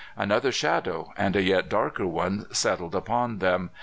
Another shadow, and a yet darker one settled upon them.